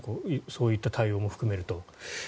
そういった対応も含めると。